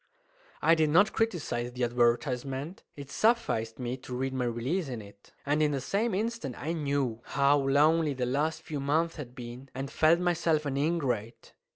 I did not criticise the advertisement. It sufficed me to read my release in it; and in the same instant I knew how lonely the last few months had been, and felt myself an ingrate.